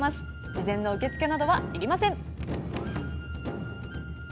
事前の受付などはいりません。